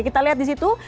kita lihat di situ